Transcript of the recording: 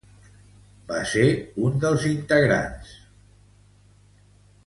Va ser un dels integrants de Los Cinco Grandes del Buen Humor.